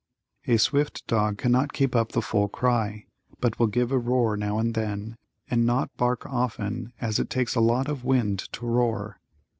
A swift dog cannot keep up the full cry, but will give a roar now and then and not bark often as it takes a lot of wind to roar.